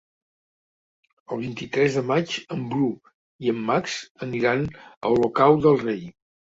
El vint-i-tres de maig en Bru i en Max aniran a Olocau del Rei.